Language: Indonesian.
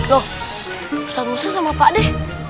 loh ustadz musa sama pak deh